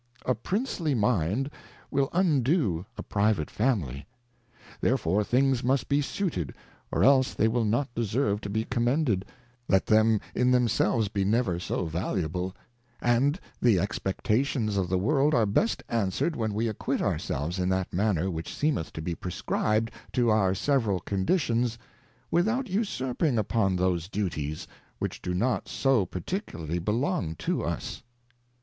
A Princely Mind wiU undo a private Family : Therefore things must be suited, or else they will not deserve to be Commended, let them in themselves be never so valuable : And the Expectations of the World are best answered when we acquit our selves in that manner which seemeth to be prescribed to our several Conditions, without usurping upon those Duties, which do not so particularly belong to us.